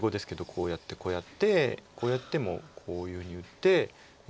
こうやってこうやってこうやってもこういうふうに打って。